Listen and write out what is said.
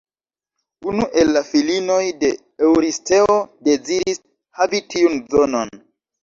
Unu el la filinoj de Eŭristeo deziris havi tiun zonon.